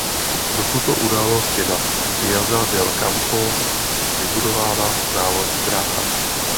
Pro tuto událost je na Piazza del Campo vybudována závodní dráha.